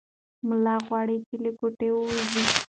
ملا غواړي چې له کوټې ووځي.